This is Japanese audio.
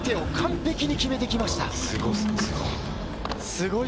すごい。